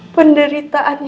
penderitaan yang lo punya